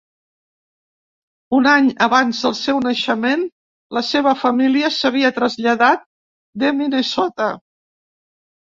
Un any abans del seu naixement, la seva família s'havia traslladat de Minnesota.